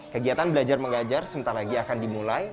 kegiatan belajar mengajar sebentar lagi akan dimulai